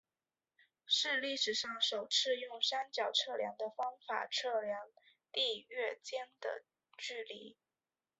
是历史上首次用三角测量的方法量测地月间的距离。